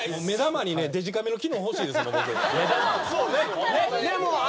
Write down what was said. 目玉にねデジカメの機能欲しいですね僕。